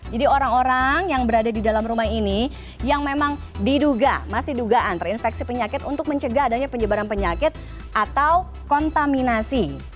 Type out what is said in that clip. jadi orang orang yang berada di dalam rumah ini yang memang diduga masih dugaan terinfeksi penyakit untuk mencegah adanya penyebaran penyakit atau kontaminasi